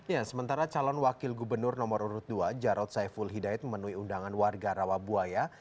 ya sementara calon wakil gubernur nomor urut dua jarod saiful hidayat memenuhi undangan warga rawabuaya